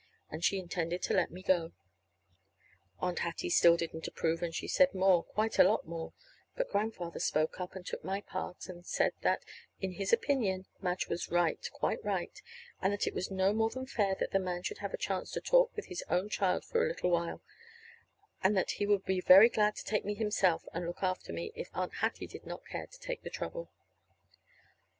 And she intended to let me go. Aunt Hattie still didn't approve, and she said more, quite a lot more; but Grandfather spoke up and took my part, and said that, in his opinion, Madge was right, quite right, and that it was no more than fair that the man should have a chance to talk with his own child for a little while, and that he would be very glad to take me himself and look after me, if Aunt Hattie did not care to take the trouble.